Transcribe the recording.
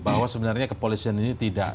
bahwa sebenarnya kepolisian ini tidak